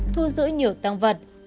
thu giữ nhiều tăng vật